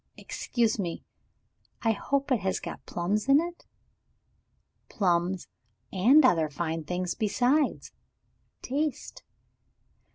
Excuse me I hope it has got plums in it?" "Plums and other fine things besides. Taste!"